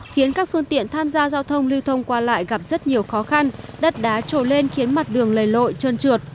khiến các phương tiện tham gia giao thông lưu thông qua lại gặp rất nhiều khó khăn đất đá trồi lên khiến mặt đường lầy lội trơn trượt